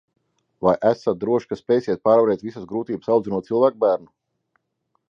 Vai esat drošs, ka spēsiet pārvarēt visas grūtības, audzinot cilvēkbērnu?